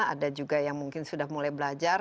ada juga yang mungkin sudah mulai belajar